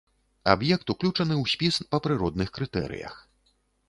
Аб'ект уключаны ў спіс па прыродных крытэрыях.